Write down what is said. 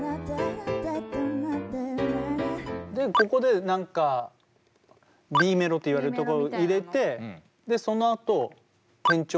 ここで何かＢメロといわれるところを入れてでそのあと転調させて。